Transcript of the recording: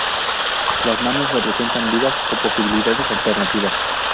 Las manos representan vidas o posibilidades alternativas.